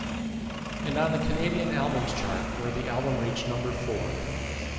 And on the Canadian Albums Chart, where the album reached number-four.